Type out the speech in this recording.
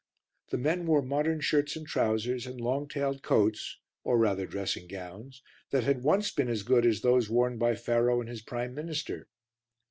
The men wore modern shirts and trousers and long tailed coats, or rather dressing gowns, that had once been as good as those worn by Pharaoh and his prime minister.